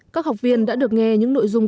các học viên đã được nghe những nội dung